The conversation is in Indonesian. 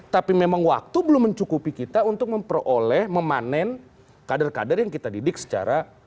tapi memang waktu belum mencukupi kita untuk memperoleh memanen kader kader yang kita didik secara